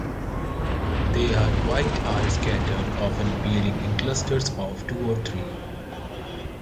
They are quite are scattered often appearing in clusters of two or three.